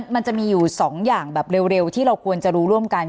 มันจะมีอยู่๒อย่างแบบเร็วที่เราควรจะรู้ร่วมกัน